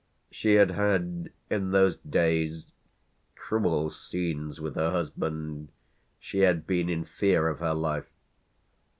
She had had in those days cruel scenes with her husband, she had been in fear of her life.